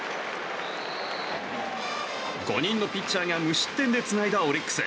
５人のピッチャーが無失点でつないだオリックス。